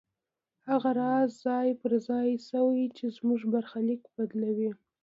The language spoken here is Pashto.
هغه راز ځای پر ځای شوی چې زموږ برخليک بدلوي.